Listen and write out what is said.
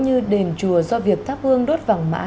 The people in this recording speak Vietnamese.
như đền chùa do việc tháp hương đốt vẳng mã